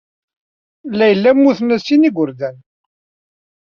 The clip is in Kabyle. Layla mmuten-as sin n yigerdan.